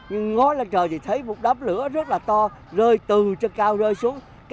nhưng ngói lên trời thì thấy một đám lửa rất là to rơi từ trên cao rơi xuống